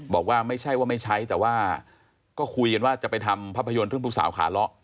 บอกว่าไม่ใช่ว่าไม่ใช้แต่ว่าก็คุยกันว่าจะไปทำภาพยนตร์เรื่องผู้สาวขาเลาะ